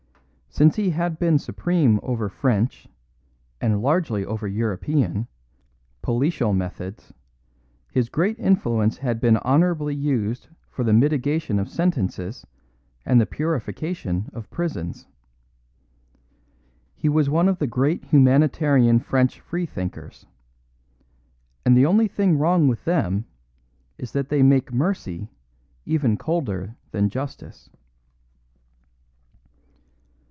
Since he had been supreme over French and largely over European policial methods, his great influence had been honourably used for the mitigation of sentences and the purification of prisons. He was one of the great humanitarian French freethinkers; and the only thing wrong with them is that they make mercy even colder than justice.